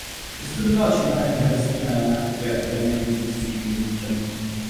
Vystudovala činoherní herectví na Janáčkově akademii múzických umění v Brně.